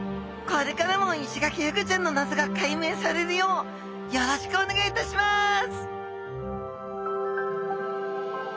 これからもイシガキフグちゃんの謎が解明されるようよろしくお願いいたします！